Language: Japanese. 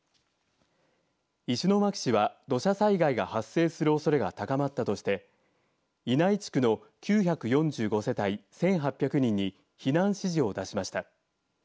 石巻市は土砂災害が発生するおそれが高まったとして稲井地区の９４５世帯１８００人に避難指示を出しました。